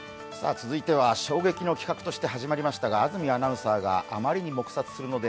続いては衝撃の企画として始まりましたが安住アナウンサーがあまりに黙殺するので